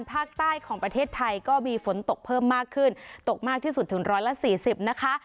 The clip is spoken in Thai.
ภาคใต้ของประเทศไทยก็มีฝนตกเพิ่มมากขึ้นตกมากที่สุดถึงร้อยละสี่สิบนะคะ